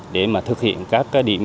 để mà thực hiện các điểm